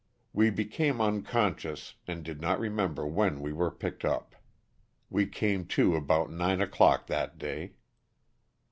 We became unconscious and did not remember when we were picked up. We came to about nine o'clock that day.